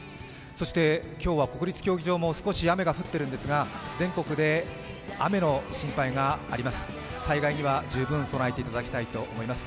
そして、今日は国立競技場も少し雨が降っているんですが、全国で雨の心配があります。